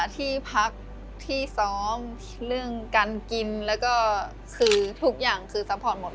ที่พักที่ซ้อมเรื่องการกินแล้วก็คือทุกอย่างคือซัพพอร์ตหมด